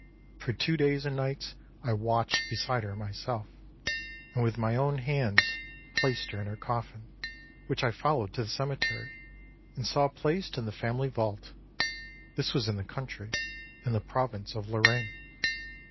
For two days and nights I watched beside her myself, and with my own hands placed her in her coffin, which I followed to the cemetery and saw placed in the family vault. This was in the country, in the province of Lorraine.